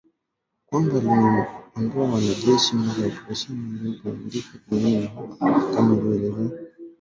Kwamba lingeondoa wanajeshi mara operesheni hiyo itakapokamilika kinyume na hapo kama itaelekezwa vinginevyo.